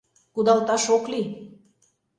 Кудалташ ок лий.